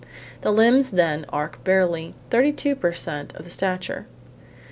The limbs then arc barely 32 per cent of the stature.